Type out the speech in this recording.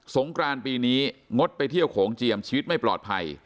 งกรานปีนี้งดไปเที่ยวโขงเจียมชีวิตไม่ปลอดภัย